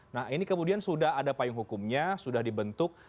nah ini kemudian sudah ada payung hukumnya sudah dibentuk